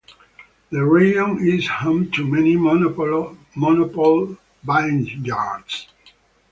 The region is home to many monopole vineyards.